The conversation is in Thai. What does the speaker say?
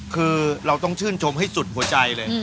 คือเราต้องชื่นชมให้สุดหัวใจเลย